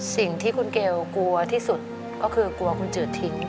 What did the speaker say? สิ่งที่คุณเกลกลัวที่สุดก็คือกลัวคุณจืดทิ้ง